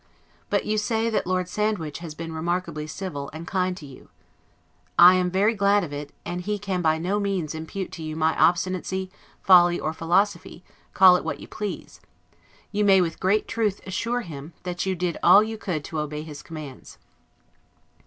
But you say, that Lord Sandwich has been remarkably civil, and kind to you. I am very glad of it, and he can by no means impute to you my obstinacy, folly, or philosophy, call it what you please: you may with great truth assure him, that you did all you could to obey his commands.